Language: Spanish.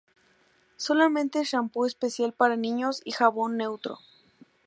Solamente champú especial para niños y jabón neutro.